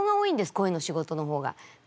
声の仕事の方が。